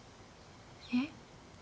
えっ？